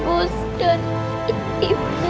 bus dan ibu